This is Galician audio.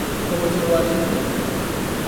Como chegou á Arxentina?